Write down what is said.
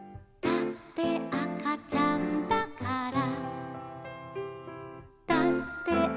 「だってあかちゃんだから」